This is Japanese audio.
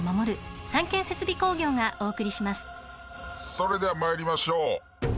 それでは参りましょう。